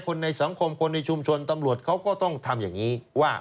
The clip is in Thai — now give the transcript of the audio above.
คนในสังคมคนในชุมชนตำรวจเขาก็ต้องทำอย่างนี้ว่า